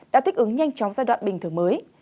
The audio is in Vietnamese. đã thích ứng nhanh chóng giai đoạn bình thường mới